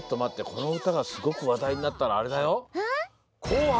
このうたがすごくわだいになったらあれだよ。